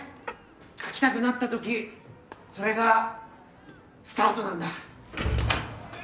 描きたくなった時それがスタートなんだ。